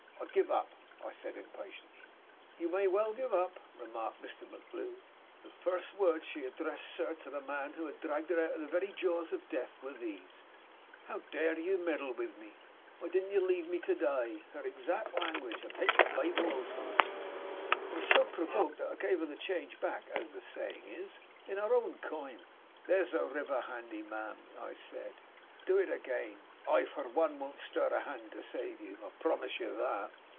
"I give it up!" I said, impatiently. "You may well give it up," remarked Mr. MacGlue. "The first words she addressed, sir, to the man who had dragged her out of the very jaws of death were these: 'How dare you meddle with me? why didn't you leave me to die?' Her exact language I'll take my Bible oath of it. I was so provoked that I gave her the change back (as the saying is) in her own coin. 'There's the river handy, ma'am,' I said; 'do it again. I, for one, won't stir a hand to save you; I promise you that.'